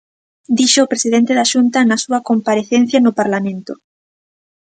Díxoo o presidente da Xunta na súa comparecencia no Parlamento.